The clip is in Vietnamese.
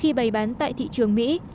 khi bày bán tại thị trường mỹ